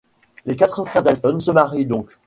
Les quatre frères Dalton se marient donc.